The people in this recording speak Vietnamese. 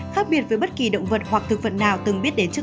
khác biệt với bất kỳ động vật hoặc thực vật nào từng biết đến chợ